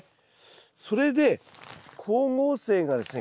それで光合成がですね